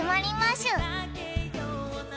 しゅ